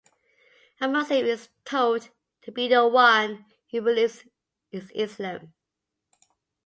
A Muslim is told to be the one who believes in Islam.